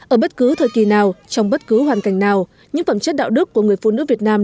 ở bất cứ thời kỳ nào trong bất cứ hoàn cảnh nào những phẩm chất đạo đức của người phụ nữ việt nam